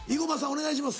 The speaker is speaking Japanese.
お願いします。